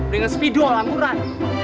dengan spidol angguran